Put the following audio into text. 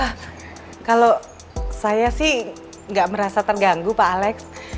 ah kalau saya sih nggak merasa terganggu pak alex